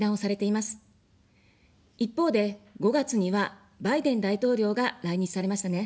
一方で、５月にはバイデン大統領が来日されましたね。